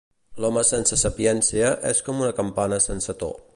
L'home sense sapiència és com una campana sense to.